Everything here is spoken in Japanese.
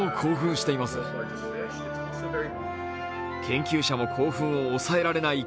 研究者も興奮を抑えられない